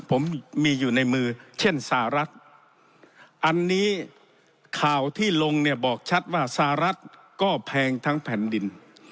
ผมมีอยู่ในมือเช่นสหรัฐอันนี้ข่าวที่ลงเนี่ยบอกชัดว่าสหรัฐก็แพงทั้งแผ่นดิน